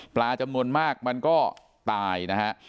ปลาจำนวนมากมันก็ตายนะฮะ